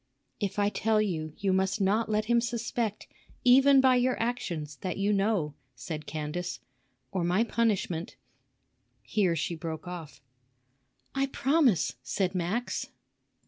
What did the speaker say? "If I tell you, you must not let him suspect, even by your actions, that you know," said Candace, "or my punishment—" Here she broke off. "I promise," said Max.